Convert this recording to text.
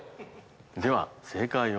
では正解を。